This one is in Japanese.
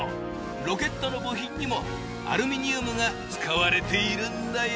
ロケットの部品にもアルミニウムが使われているんだよ。